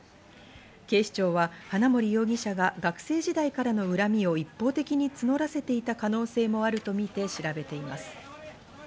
警視庁は花森容疑者が学生時代からの恨みを一方的に募らせていた可能性もあるとみて調べています。